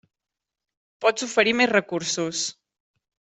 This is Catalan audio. Pots oferir més recursos.